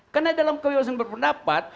karena dalam kebebasan berpendapat